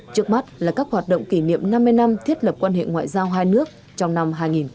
trước mắt là các hoạt động kỷ niệm năm mươi năm thiết lập quan hệ ngoại giao hai nước trong năm hai nghìn hai mươi